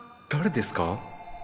誰ですか？